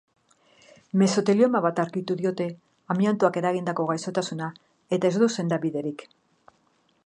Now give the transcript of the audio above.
Mesotelioma bat aurkitu diote, amiantoak eragindako gaixotasuna, eta ez du sendabiderik.